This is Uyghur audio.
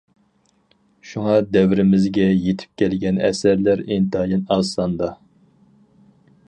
شۇڭا دەۋرىمىزگە يىتىپ كەلگەن ئەسەرلەر ئىنتايىن ئاز ساندا.